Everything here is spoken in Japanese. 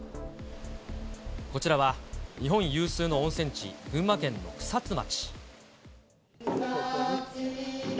こちらは日本有数の温泉地、群馬県草津町。